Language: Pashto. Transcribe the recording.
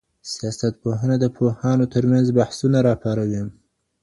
سياست پوهنه د پوهانو ترمنځ بحثونه راپاروي.